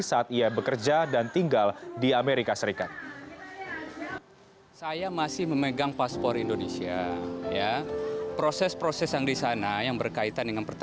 saat ia bekerja dan tinggal di amerika serikat